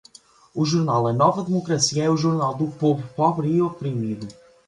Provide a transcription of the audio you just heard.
O jornal a nova democracia é o jornal do povo pobre e oprimido